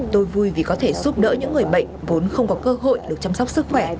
tôi vui vì có thể giúp đỡ những người bệnh vốn không có cơ hội được chăm sóc sức khỏe